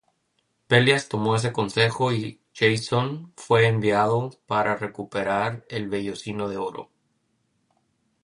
Pelias tomó ese consejo y Jasón fue enviado para recuperar el vellocino de oro.